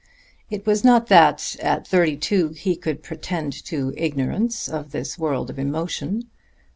It was not that, at thirty two, he could pretend to ignorance of this world of emotion.